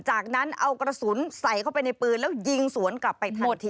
จากนั้นเอากระสุนใส่เข้าไปในปืนแล้วยิงสวนกลับไปโทษที